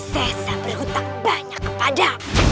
saya sebelum tak banyak kepada